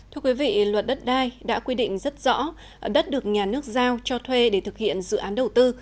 thưa quý vị luật đất đai đã quy định rất rõ đất được nhà nước giao cho thuê để thực hiện dự án đầu tư